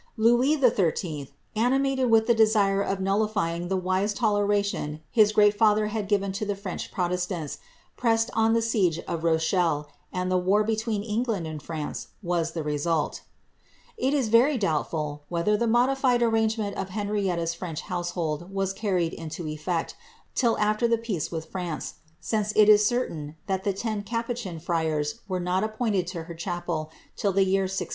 Louis XIII., animated with the desire of nullifying the wise toleration his great father had given to the French protestants, pressed on the siege of Rochelle, and war between England and France was the resulL It is very doubtful, whether the modified arrangement of Henrietta's French household was carried into efiect, till after the peace with France, since it is certain that the ten capuchin friara were not appointed for her chapel till the year 1630.'